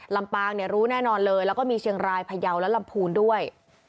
ลำปางเนี่ยรู้แน่นอนเลยแล้วก็มีเชียงรายพยาวและลำพูนด้วย